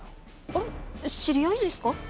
あれ知り合いですか？